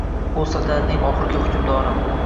U saltanatning oxirgi hukmdori